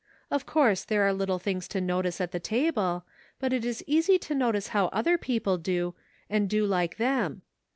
Of course there are little things to notice at the table ; but it is easy to notice how other people do and do like them.